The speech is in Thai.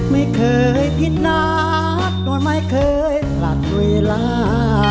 ไม่เคยผิดนัดโดยไม่เคยผลัดเวลา